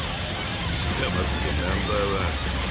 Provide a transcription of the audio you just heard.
下まつげナンバーワン。